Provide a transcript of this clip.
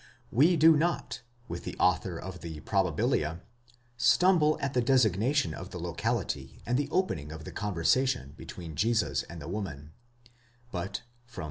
We do not, with the author of the Probabilia, stumble at the designation of the locality, and the opening of the conversa tion between Jesus and the woman;* but from vy.